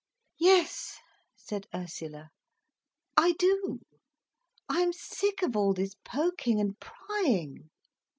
"Yes," said Ursula. "I do. I am sick of all this poking and prying."